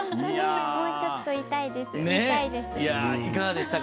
もうちょっといたいです。